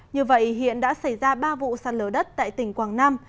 như vậy hiện đã xảy ra ba vụ sạt lở đất tại tỉnh quảng nam